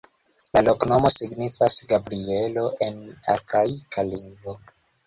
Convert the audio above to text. La loknomo signifas Gabrielo en arkaika lingvo.